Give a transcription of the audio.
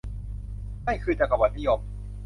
นั่นคือ จักรวรรดินิยม